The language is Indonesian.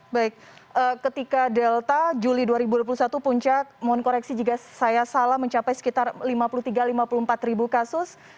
baik ketika delta juli dua ribu dua puluh satu puncak mohon koreksi jika saya salah mencapai sekitar lima puluh tiga lima puluh empat ribu kasus